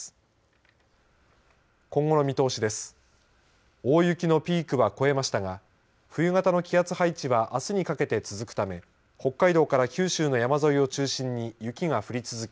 大雪のピークは越えましたが冬型の気圧配置はあすにかけて続くため北海道から九州の山沿いを中心に雪が降り続き